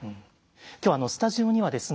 今日スタジオにはですね